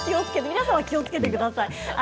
皆さん気をつけてください。